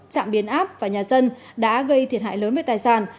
trạm biến áp và nhà dân đã gây thiệt hại lớn về tài sản